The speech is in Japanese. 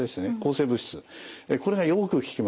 これがよく効きます。